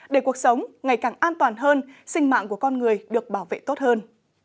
để cuộc sống ngày càng an toàn hơn sinh mạng của con người được bảo vệ tốt hơn